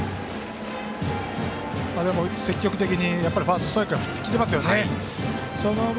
積極的にファーストストライクから振ってきていますよね。